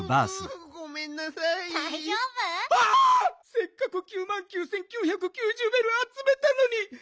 せっかく９万９，９９０ベルあつめたのに！